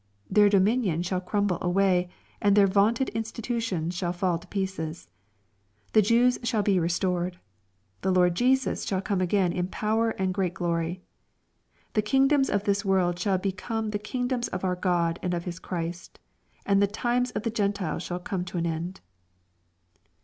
Their dominion shall crumble away, a;nd| their yauuted institutions shall fall to pieces. The Jews fihall be restored, The Lord Jesus shall come again in pow er and great glory. The kingdoms of this world shall be , oome the kingdoms of our God and of His Christ, an4 the ^ times of the Gentiles'' shall come to an end.